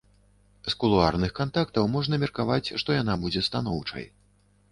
З кулуарных кантактаў можна меркаваць, што яна будзе станоўчай.